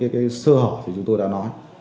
cái sơ hỏ thì chúng tôi đã nói